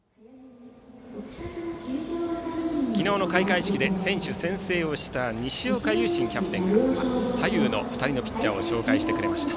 昨日の開会式で選手宣誓をした西岡悠慎キャプテンが左右の２人のピッチャーを紹介してくれました。